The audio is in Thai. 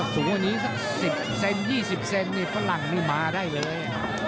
ซีบเซน๒๐เซนแปลงนี่มาได้เลย